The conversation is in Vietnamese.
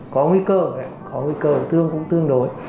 có nguy cơ có nguy cơ tương cũng tương đối